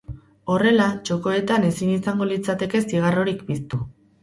Horrela, txokoetan ezin izango litzateke zigarrorik piztu.